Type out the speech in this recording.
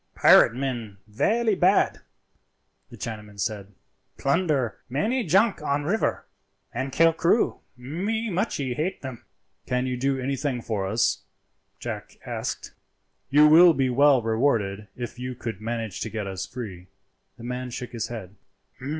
"Pirate men velly bad," the Chinaman said; "plunder many junk on river and kill crew. Me muchee hate them." "Can you do anything for us?" Jack asked. "You will be well rewarded if you could manage to get us free." The man shook his head.